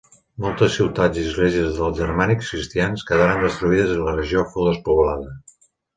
Moltes ciutats i esglésies dels germànics cristians quedaren destruïdes i la regió fou despoblada.